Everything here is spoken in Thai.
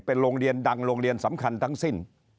เป็นโรงเรียนดังโรงเรียนสำคัญทั้งสิ้น